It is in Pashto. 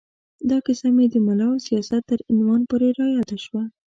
دا کیسه مې د ملا او سیاست تر عنوان پورې را یاده شوه.